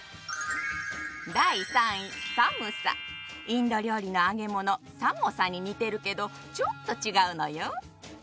インド料理の揚げ物サモサに似てるけどちょっと違うのよ。